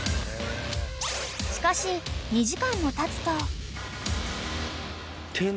［しかし２時間もたつと］